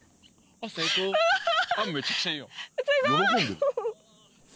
あすごい！